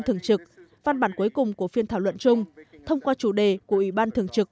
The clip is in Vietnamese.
thường trực văn bản cuối cùng của phiên thảo luận chung thông qua chủ đề của ủy ban thường trực